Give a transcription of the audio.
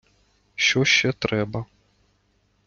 Що ще треба?